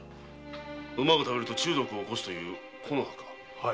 馬が食べると中毒をおこすという木の葉か？